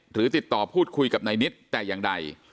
หรือติดต่อพูดคุยกับในนิตแต่อย่างใด